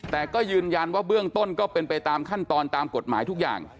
แต่ก็ยืนยันว่าเบื้องต้นก็เป็นไปตามขั้นตอนตามกฎหมายทุกอย่าง